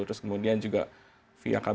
terus kemudian juga via kbri juga membantu kami